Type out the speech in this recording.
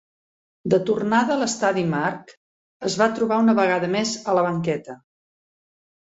De tornada a l'estadi Mark, es va trobar una vegada més a la banqueta.